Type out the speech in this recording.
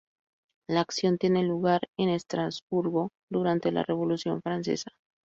La acción tiene lugar en Estrasburgo durante la Revolución Francesa.